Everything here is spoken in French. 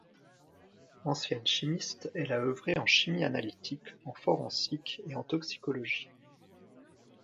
Ancienne chimiste, elle a œuvré en chimie analytique, en forensique et en toxicologie.